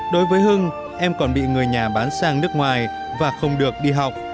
đối với hưng em còn bị người nhà bán sang nước ngoài và không được đi học